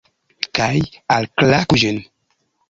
Kaj... alklaku ĝin?